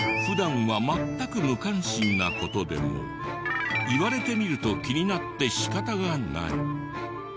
普段は全く無関心な事でも言われてみると気になって仕方がない。